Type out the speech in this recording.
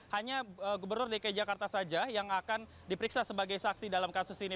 hanya gubernur dki jakarta saja yang akan diperiksa sebagai saksi dalam kasus ini